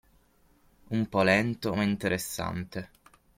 Un po' lento, ma interessante.